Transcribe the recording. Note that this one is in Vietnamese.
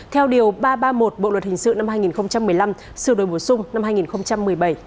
theo điều ba trăm ba mươi một bộ luật hình sự năm hai nghìn một mươi năm sửa đổi bổ sung năm hai nghìn một mươi bảy